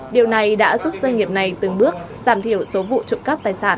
điều này đã giúp doanh nghiệp này từng bước giảm thiểu số vụ trộm cắp tài sản